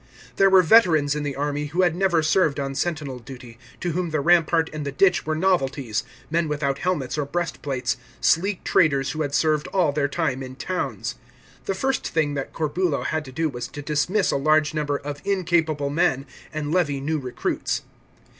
There were veterans in the army who had never served on sentinel duty, to whom the rampart and the ditch were novelties, men without helmets or breastplates, sleek traders who had served all their time in towns. The first thing that Corbulo had to do was to dismiss a large number of incapable men, and levy new recruits.